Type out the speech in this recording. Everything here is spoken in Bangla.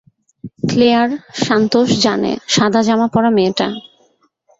ক্লেয়ার, সান্তোস জানে, সাদা জামা পরা মেয়েটা।